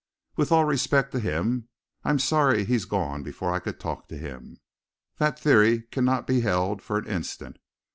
With all respect to him I'm sorry he's gone before I could talk to him that theory cannot be held for an instant!